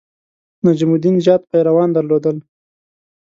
نجم الدین زیات پیروان درلودل.